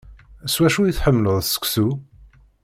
S wacu i tḥemmleḍ seksu?